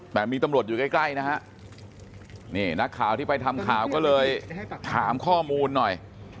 แต่มีตำรวจอยู่ใกล้ใกล้นะฮะนี่นักข่าวที่ไปทำข่าวก็เลยถามข้อมูลหน่อย